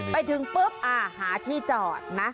ไปถึงปุ๊บหาที่จอดนะ